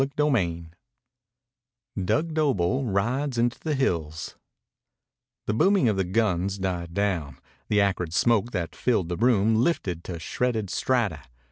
CHAPTER XXXVIII DUG DOBLE RIDES INTO THE HILLS The booming of the guns died down. The acrid smoke that filled the room lifted to shredded strata.